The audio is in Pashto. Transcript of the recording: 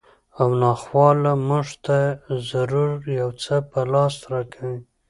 او ناخواله مونږ ته ضرور یو څه په لاس راکوي